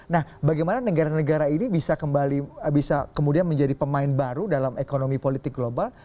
nah bagaimana negara negara ini bisa kemudian menjadi pemain baru dalam ekonomi politik global